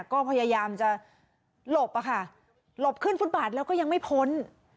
ก็พยายามจะหลบอะค่ะหลบขึ้นฟุตบาทแล้วก็ยังไม่พ้น